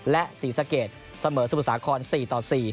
และศรีสะเกดเสมอสมสาขอร์ด๔๔